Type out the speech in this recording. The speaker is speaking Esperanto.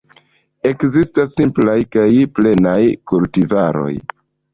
Ekzistas simplaj kaj plenaj kultivaroj.